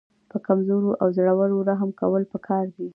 په کمزورو او زړو رحم کول پکار دي.